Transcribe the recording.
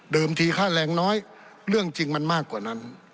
ทีค่าแรงน้อยเรื่องจริงมันมากกว่านั้น